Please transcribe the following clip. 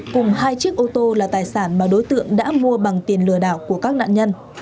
cùng hai chiếc ô tô là tài sản mà đối tượng đã mua bằng tiền lừa đảo của các nạn nhân